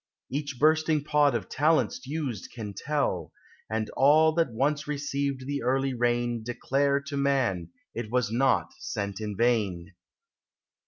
149 Each bursting pod of talents used can tell; And all that once received the early rain Declare to man it was not sent in vain.